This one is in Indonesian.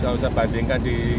kalau saya bandingkan di